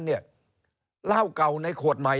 เล่าเก่าในโคตรใหม่